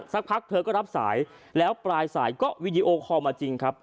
สักพักเธอก็รับสายแล้วปลายสายก็วีดีโอคอลมาจริงครับ